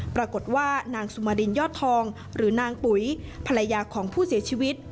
ปรากฏว่านางสุมารินยอดทองหรือนางปุ๋ยภรรยาของผู้เสียชีวิต